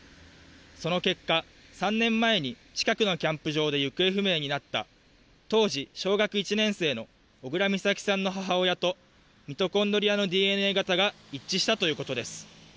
その結果、３年前に近くのキャンプ場で行方不明になった、当時小学１年生の小倉美咲さんの母親と、ミトコンドリアのＤＮＡ型が一致したということです。